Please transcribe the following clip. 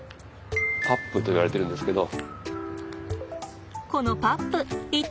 パップといわれているんですけど。